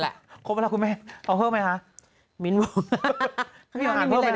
แหละครบแล้วคุณแม่เอาเพิ่มไหมค่ะมิ้นอาหารเพิ่มไหมค่ะหนึ่ง